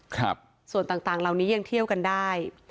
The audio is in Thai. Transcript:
ครับส่วนต่างต่างเหล่านี้ยังเที่ยวกันได้